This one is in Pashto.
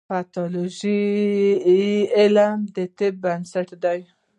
د پیتالوژي علم د طب بنسټ دی.